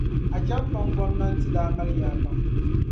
Acheampong Gɔmnanti daa mali yaa pam